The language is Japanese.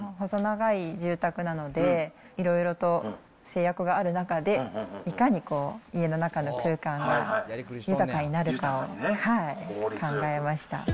細長い住宅なので、いろいろと制約がある中で、いかに家の中の空間が豊かになるかを考えました。